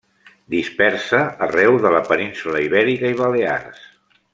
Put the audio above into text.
Dispersa arreu de la península Ibèrica i Balears.